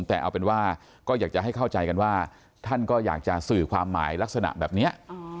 แต่เอาเป็นว่าก็อยากจะให้เข้าใจกันว่าท่านก็อยากจะสื่อความหมายลักษณะแบบนี้